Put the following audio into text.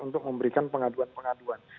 untuk memberikan pengaduan pengaduan